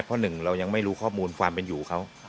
เพราะหนึ่งเรายังไม่รู้ข้อมูลความเป็นอยู่เขา